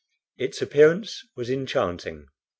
Its appearance was enchanting.